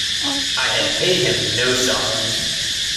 I had paid him no sovereigns.